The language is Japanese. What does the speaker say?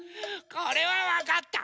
これはわかった。